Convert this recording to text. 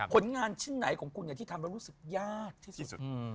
ผลงานชิ้นไหนของคุณที่ทำแล้วรู้สึกยากที่สุด